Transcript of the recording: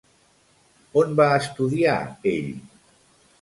On va estudiar ell?